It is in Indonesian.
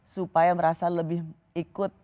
supaya merasa lebih ikut